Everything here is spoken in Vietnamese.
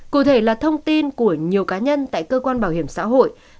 cụ thể là thông tin của nhiều cá nhân tại cơ quan bảo hiểm xã hội